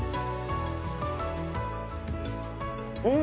うん！